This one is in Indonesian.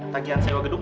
tagian sewa gedung